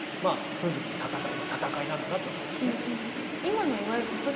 「フン族の戦い」は戦いなんだなって分かるしね。